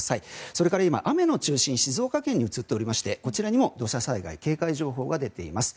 それから、今、雨の中心が静岡県に移っていましてこちらにも土砂災害警戒情報が出ています。